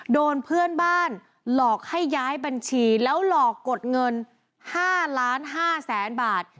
โดนเพื่อนบ้านหลอกให้ย้ายบัญชีแล้วหลอกกดเงิน๕๕๐๐๐๐บาท